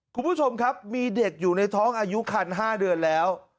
คุณผู้ชมครับมีเด็กอยู่ในท้องอายุคัน๕เดือนแล้ว